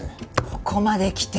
ここまできて。